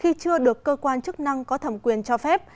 khi chưa được cơ quan chức năng có thẩm quyền cho phép